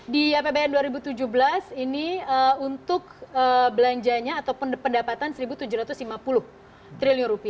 di apbn dua ribu tujuh belas ini untuk belanjanya ataupun pendapatan rp satu tujuh ratus lima puluh triliun